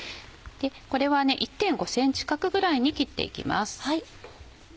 これは１．５ｃｍ角ぐらいに切っていきます。